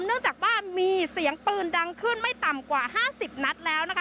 เนื่องจากว่ามีเสียงปืนดังขึ้นไม่ต่ำกว่า๕๐นัดแล้วนะคะ